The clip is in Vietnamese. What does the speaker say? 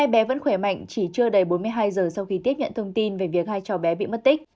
hai bé vẫn khỏe mạnh chỉ chưa đầy bốn mươi hai giờ sau khi tiếp nhận thông tin về việc hai cháu bé bị mất tích